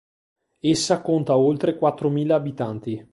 Essa conta oltre quattromila abitanti.